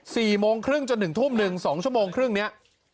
สี่โมงครึ่งจนถึงทุ่มหนึ่งสองชั่วโมงครึ่งเนี้ย